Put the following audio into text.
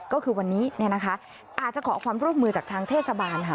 ก็คือวันนี้เนี่ยนะคะอาจจะขอความร่วมมือจากทางเทศบาลค่ะ